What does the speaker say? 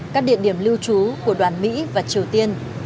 các địa điểm lưu trú của đoàn mỹ và triều tiên